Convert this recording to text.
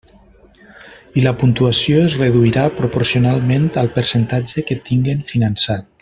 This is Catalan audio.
I la puntuació es reduirà proporcionalment al percentatge que tinguen finançat.